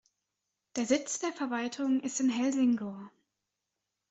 Der Sitz der Verwaltung ist in Helsingør.